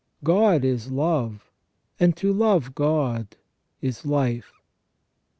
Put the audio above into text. God is love, and to love God is life.